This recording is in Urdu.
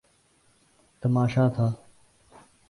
تماشا تھا۔